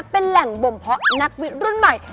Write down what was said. เป็นแหล่งบ่มเพาะนักวิทย์รุ่นใหม่